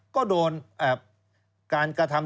ก็โดนการกระทำ